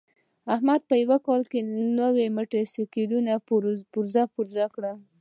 احمد په یوه کال کې نوی موټرسایکل پرزه پرزه کړ.